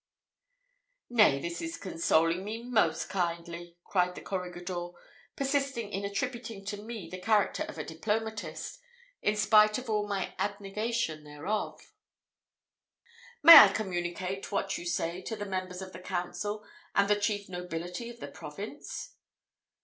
"Nay, this is consoling me most kindly!" cried the corregidor, persisting in attributing to me the character of a diplomatist, in spite of all my abnegation thereof; "may I communicate what you say to the members of the council, and the chief nobility of the province?"